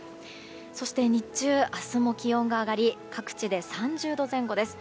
そして日中、明日も気温が上がり各地で３０度前後です。